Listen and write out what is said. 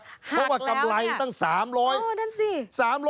หากแล้วเนี่ยโอ้โฮนั่นสิเพราะว่ากำไรตั้ง๓๐๐ล้าน